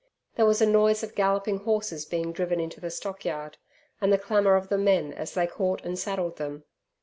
There was a noise of galloping horses being driven into the stockyard, and the clamour of the men as they caught and saddled them.